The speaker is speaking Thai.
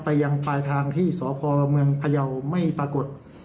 ยังปลายทางที่สพเมืองพยาวไม่ปรากฏ